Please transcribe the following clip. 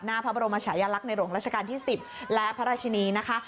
หน้าพระบรมชายลักษณ์ในหลวงราชการที่๑๐และพระราชินีนะคะ